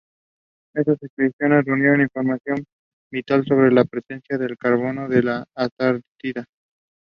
Marty is forced to continue with the casino plan.